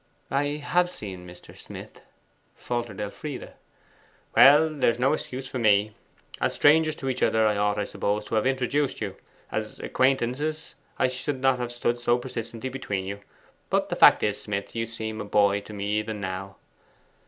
'I have seen Mr. Smith,' faltered Elfride. 'Well, there is no excuse for me. As strangers to each other I ought, I suppose, to have introduced you: as acquaintances, I should not have stood so persistently between you. But the fact is, Smith, you seem a boy to me, even now.